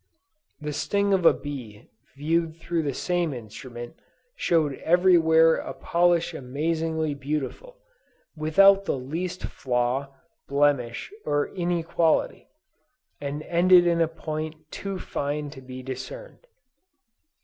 The sting of a bee viewed through the same instrument, showed everywhere a polish amazingly beautiful, without the least flaw, blemish, or inequality, and ended in a point too fine to be discerned."